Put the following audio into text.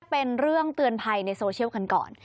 เป็นเรื่องเตือนภัยในโซเชียลกันก่อน